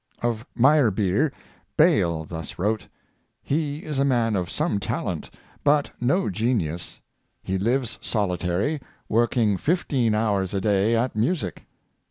Of Meyerbeeer, Ba3'le thus wrote: " He is a man of some talent, but no gen ius; he lives solitary, working fifteen hours a day at music."